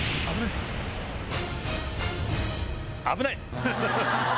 危ないか。